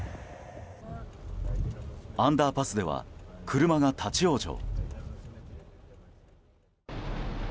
アンダーパスでは車が立ち往生。